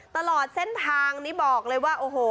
ตลอดเส้นทางนี้บอกเลยว่าโอ้โห